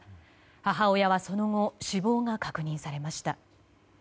母親は、その後死亡が確認されました。